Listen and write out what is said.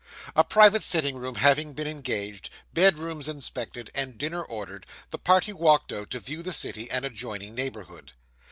A private sitting room having been engaged, bedrooms inspected, and dinner ordered, the party walked out to view the city and adjoining neighbourhood.